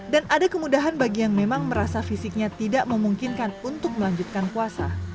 dan ada kemudahan bagi yang memang merasa fisiknya tidak memungkinkan untuk melanjutkan puasa